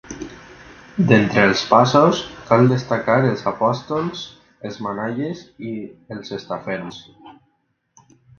D'entre els passos, cal destacar els Apòstols, els Manaies i els Estaferms.